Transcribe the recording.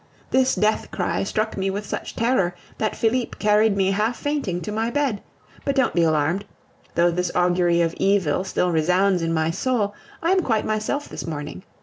This death cry struck me with such terror that Felipe carried me half fainting to my bed. But don't be alarmed! Though this augury of evil still resounds in my soul, I am quite myself this morning.